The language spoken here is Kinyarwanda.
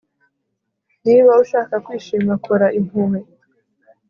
niba ushaka kwishima, kora impuhwe